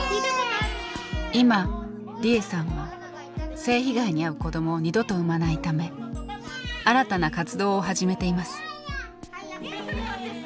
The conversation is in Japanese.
今利枝さんは性被害にあう子どもを二度と生まないため新たな活動を始めています。